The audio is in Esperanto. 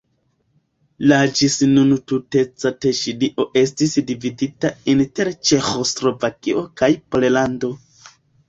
La ĝis nun tuteca Teŝinio estis dividita inter Ĉeĥoslovakio kaj Pollando.